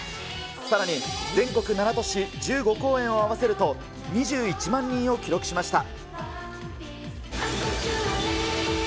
さらに全国７都市１５公演を合わせると、２１万人を記録しました。